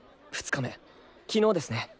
２日目昨日ですね。